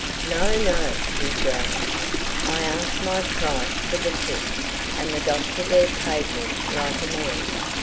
"No, no," he growled; "I asked my price for the trip, and the doctor there paid me like a man.